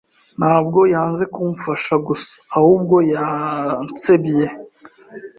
Ntabwo yanze kumfasha gusa, ahubwo yansebye.